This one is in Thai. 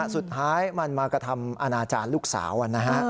สุดท้ายมันมากระทำอาณาจารย์ลูกสาวนะฮะ